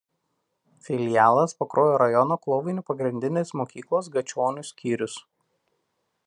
Filialas Pakruojo rajono Klovainių pagrindinės mokyklos Gačionių skyrius.